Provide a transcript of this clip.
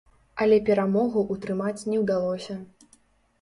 Але перамогу ўтрымаць не ўдалося.